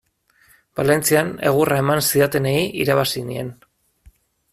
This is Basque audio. Valentzian egurra eman zidatenei irabazi nien.